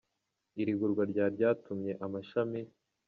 Iri gurwa rya ryatumye amashami.